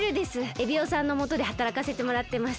エビオさんのもとではたらかせてもらってます。